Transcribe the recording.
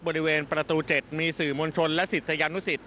บริเวณประตู๗มีสื่อมวลชนและศิษยานุสิต